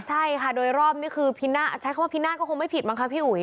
ใช่ค่ะโดยรอบนี่คือใช้คำว่าพินาก็คงไม่ผิดมั้งคะพี่อุ๋ย